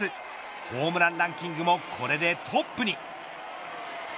ホームランランキングもこれでトップに。